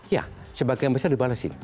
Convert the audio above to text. ya sebagian besar dibalesin